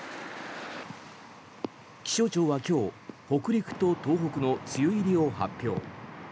気象庁は今日北陸と東北の梅雨入りを発表。